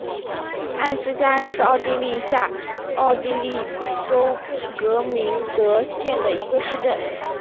艾斯加恩是奥地利下奥地利州格明德县的一个市镇。